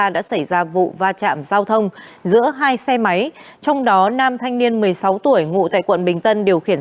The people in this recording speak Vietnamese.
đã xảy ra vụ va chạm giao thông giữa hai xe máy trong đó nam thanh niên một mươi sáu tuổi ngụ tại quận bình tân điều khiển